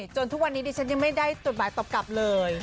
จนทุกวันนี้ดิฉันยังไม่ได้จดหมายตอบกลับเลย